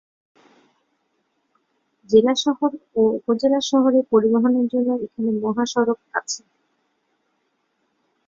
জেলা শহর ও উপজেলা শহরে পরিবহনের জন্য এখানে মহাসড়ক আছে।